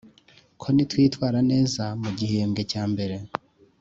ko nitwitwara neza mu gihembwe cya mbere